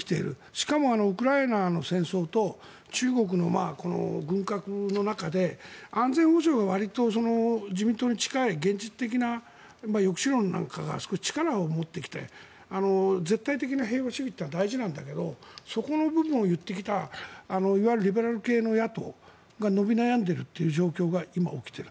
しかも、ウクライナの戦争と中国の軍拡の中で安全保障がわりと自民党に近い現実的な抑止論なんかが少し力を持ってきて絶対的な平和主義というのは大事なんだけどそこの部分を言ってきたいわゆるリベラル系の野党が伸び悩んでいる状況が今、起きている。